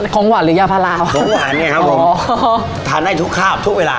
ของหวานหรือยาพาราค่ะของหวานเนี่ยครับผมทานได้ทุกคาบทุกเวลา